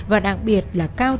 và đặc biệt là cao trọng